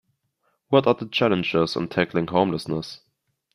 What are the challenges in tackling homelessness?